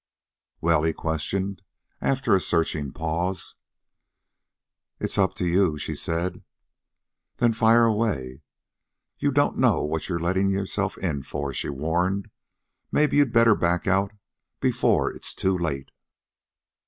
"Well?" he questioned, after a searching pause. "It's up to you," she said. "Then fire away." "You don't know what you're letting yourself in for," she warned. "Maybe you'd better back out before it's too late."